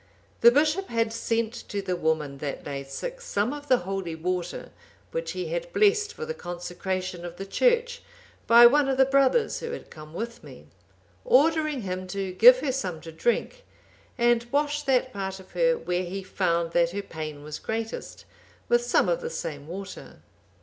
The bishop had sent to the woman that lay sick some of the holy water, which he had blessed for the consecration of the church, by one of the brothers who had come with me, ordering him to give her some to drink, and wash that part of her where he found that her pain was greatest, with some of the same water.